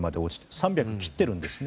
３００を切っているんですね。